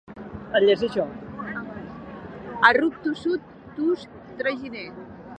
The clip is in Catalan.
A ruc tossut, tust, traginer.